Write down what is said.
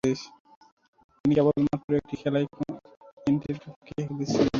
তিনি কেবলমাত্র একটি খেলায় কেন্টের পক্ষে খেলেছিলেন।